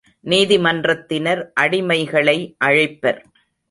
நீதிமன்றத்தினர் அடிமைகளை அழைப்பர்.